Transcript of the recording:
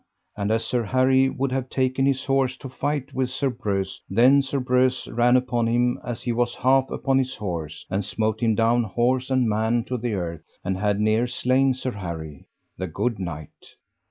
And as Sir Harry would have taken his horse to fight with Sir Breuse, then Sir Breuse ran upon him as he was half upon his horse, and smote him down, horse and man, to the earth, and had near slain Sir Harry, the good knight.